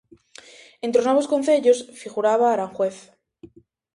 Entre os novos concellos figuraba Aranjuez.